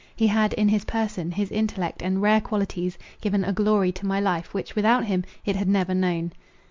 He had, in his person, his intellect, and rare qualities, given a glory to my life, which without him it had never known.